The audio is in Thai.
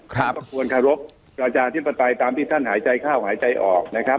ก็ควรเคารพประชาธิปไตยตามที่ท่านหายใจเข้าหายใจออกนะครับ